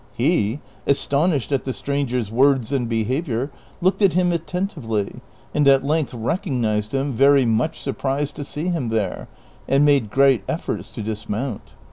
He, astonished at the stranger's words and behavior, looked at him attentively, and at length recog nized him, very much surprised to see him there, and made great efforts to dismount.